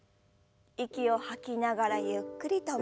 息を吐きながらゆっくりと前。